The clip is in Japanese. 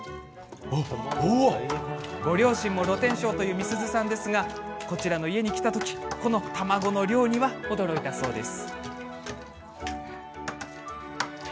ご両親も露天商という美鈴さんですがこちらの家に来た時卵の量には驚いたそうなんです。